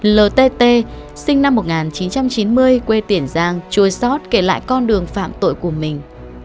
ltt sinh năm một nghìn chín trăm chín mươi quê tiển giang chui sót kể lại con đường phạm tội của mình